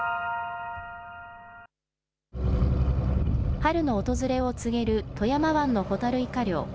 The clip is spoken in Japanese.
春の訪れを告げる富山湾のホタルイカ漁。